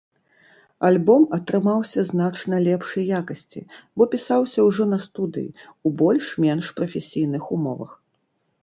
Альбом атрымаўся значна лепшай якасці, бо пісаўся ўжо на студыі, у больш-менш прафесійных умовах.